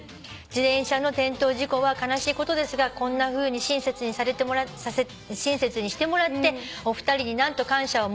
「自転車の転倒事故は悲しいことですがこんなふうに親切にしてもらってお二人に何と感謝を申し上げたらいいのか」